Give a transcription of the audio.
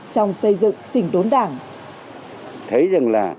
trong xây dựng trình đốn đảng